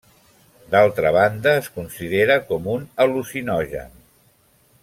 D'altra banda es considera com un al·lucinogen.